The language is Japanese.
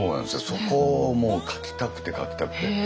そこをもう描きたくて描きたくて。